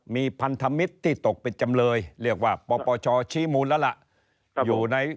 มีพันธมิตรที่ตกเป็นจำเลยเรียกว่าปปชชี้มูลแล้วล่ะอยู่ใน